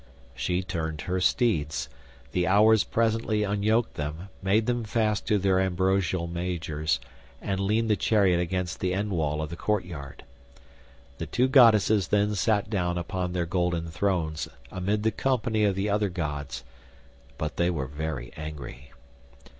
She turned her steeds; the Hours presently unyoked them, made them fast to their ambrosial mangers, and leaned the chariot against the end wall of the courtyard. The two goddesses then sat down upon their golden thrones, amid the company of the other gods; but they were very angry.